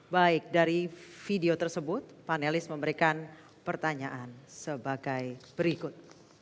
baik dari video tersebut panelis memberikan pertanyaan sebagai berikut